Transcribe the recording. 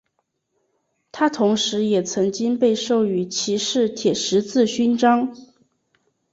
他同时也曾经被授予骑士铁十字勋章。